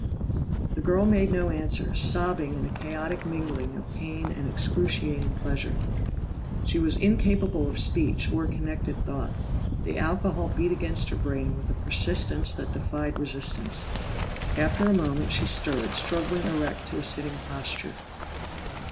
The girl made no answer, sobbing in a chaotic mingling of pain and excruciating pleasure. She was incapable of speech or connected thought; the alcohol beat against her brain with a persistence that defied resistance. After a moment, she stirred, struggling erect to a sitting posture.